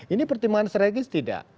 ini pertimbangan strategis tidak